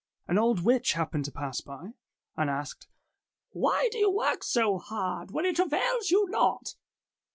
An old witch happened to pass by, and asked, ''Why do you work so hard, when it avails you naught?